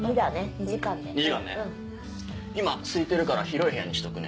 ２時間ね今すいてるから広い部屋にしとくね。